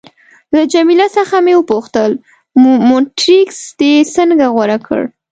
له جميله څخه مې وپوښتل: مونټریکس دې څنګه غوره کړ؟